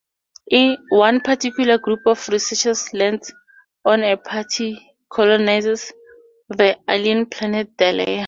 One particular group of researchers lands on and partly colonizes the alien planet Delia.